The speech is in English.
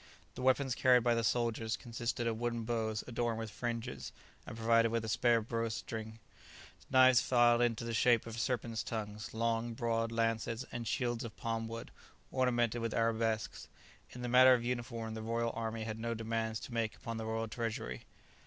The weapons carried by the soldiers consisted of wooden bows adorned with fringes and provided with a spare bowstring, knives filed into the shape of serpents' tongues, long, broad lances, and shields of palm wood, ornamented with arabesques. In the matter of uniform, the royal army had no demands to make upon the royal treasury.